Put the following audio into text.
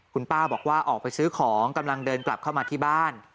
คุณป้าบอกว่าออกไปซื้อของกำลังเดินกลับเข้ามาที่บ้าน